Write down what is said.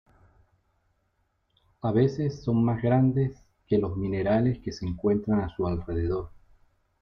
A veces son más grandes que los minerales que se encuentran a su alrededor.